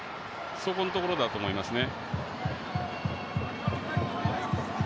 そこのところだと思いますね。